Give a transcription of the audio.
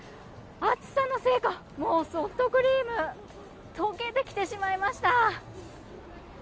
暑さのせいかもうソフトクリーム溶けてきてしまいました。